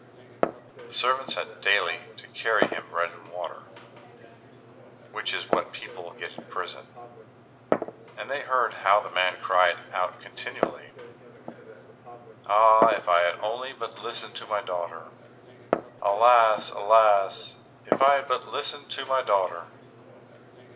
The servants had daily to carry him bread and water, which is what people get in prison, and they heard how the man cried out continually, "Ah! if I had but listened to my daughter! Alas, alas, if I had but listened to my daughter!"